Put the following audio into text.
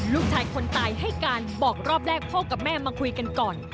ลูกชายคนตายให้การบอกรอบแรกพ่อกับแม่มาคุยกันก่อน